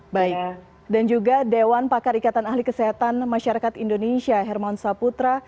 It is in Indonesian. baik dan juga dewan pakar ikatan ahli kesehatan masyarakat indonesia hermawan saputra